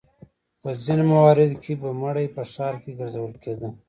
په ځینو مواردو کې به مړی په ښار کې ګرځول کېده.